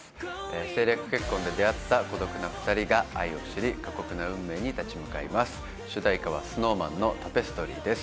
政略結婚で出会った孤独な２人が愛を知り過酷な運命に立ち向かいます主題歌はＳｎｏｗＭａｎの「タペストリー」です